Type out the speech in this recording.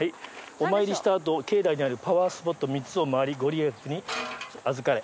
「お参りしたあと境内にあるパワースポット３つを回りご利益にあずかれ」。